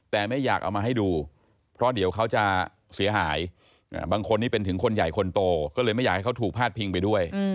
แต่ไม่อยากเอามาให้ดูเพราะเดี๋ยวเขาจะเสียหายบางคนนี้เป็นถึงคนใหญ่คนโตก็เลยไม่อยากให้เขาถูกพาดพิงไปด้วย